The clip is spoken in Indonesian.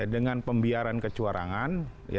dengan pembiaran kecurangan